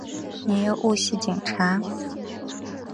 你又唔系警察！